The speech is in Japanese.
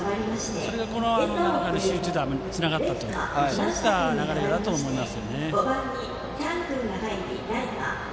それがこの集中打につながったという流れだと思います。